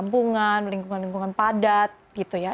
lingkungan lingkungan padat gitu ya